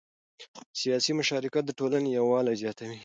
سیاسي مشارکت د ټولنې یووالی زیاتوي